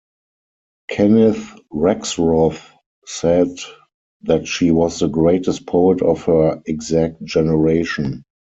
Kenneth Rexroth said that she was the greatest poet of her "exact generation".